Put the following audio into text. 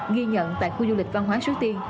ghi nhận tại khu du lịch văn hóa suối tiên